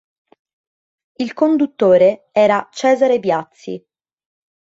Il conduttore era Cesare Viazzi.